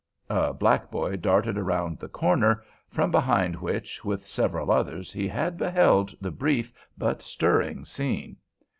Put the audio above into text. A black boy darted round the corner, from behind which, with several others, he had beheld the brief but stirring scene.